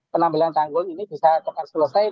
penambilan tanggul ini bisa tekan selesai